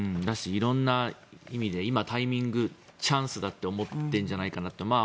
色んな意味で今、タイミング、チャンスだと思っているんじゃないかなと。